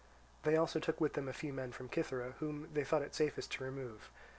They also took with them a few men from Cythera whom they thought it safest to remove.